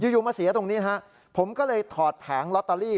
อยู่มาเสียตรงนี้ฮะผมก็เลยถอดแผงลอตเตอรี่